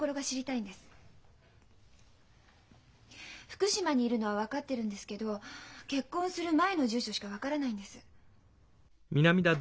福島にいるのは分かってるんですけど結婚する前の住所しか分からないんです。